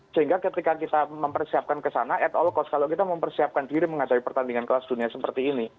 sehingga ketika kita mempersiapkan ke sana at all cost kalau kita mempersiapkan diri mengadai pertandingan kelas dunia seperti ini